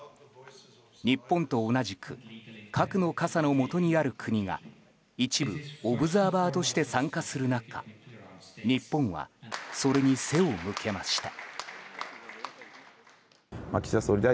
日本と同じく核の傘の下にある国が一部オブザーバーとして参加する中日本は、それに背を向けました。